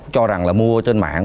cho rằng là mua trên mạng